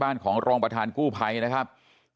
ของรองประธานกู้ภัยนะครับ